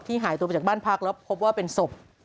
หายตัวไปจากบ้านพักแล้วพบว่าเป็นศพ